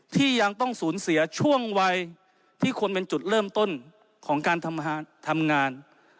ที่ยังต้องสูญเสียช่วงวัยที่ควรเป็นจุดเริ่มต้นของการทำงาน